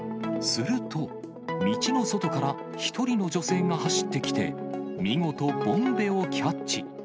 すると、道の外から１人の女性が走ってきて、見事、ボンベをキャッチ。